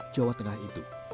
jawa tengah itu